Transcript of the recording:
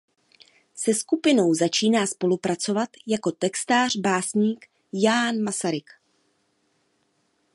Se skupinou začíná spolupracovat jako textař básník Ján Masaryk.